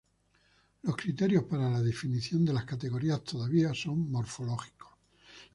Los criterios para la definición de las categorías todavía son morfológicos.